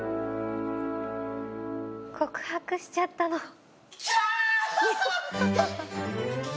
告白しちゃったの。